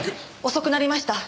遅くなりました。